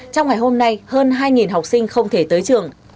trong ngày hôm nay hơn hai học sinh không thể tới trường